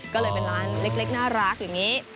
ก็เลยเป็นร้านเล็กน่ารักอย่างนี้